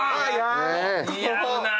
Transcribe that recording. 似合うなあ！